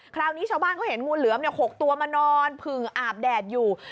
คราวนี้ชาวบ้านเขาเห็นงูเหลือม๖ตัวมานอนผึ่งอาบแดดอยู่